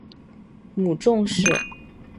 母仲氏。